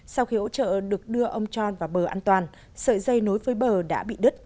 sau khi hỗ trợ được đưa ông tròn vào bờ an toàn sợi dây nối với bờ đã bị đứt